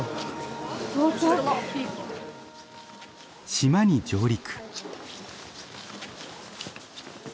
島に上陸。